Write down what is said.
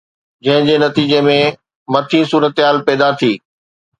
جنهن جي نتيجي ۾ مٿين صورتحال پيدا ٿي